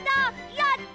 やった！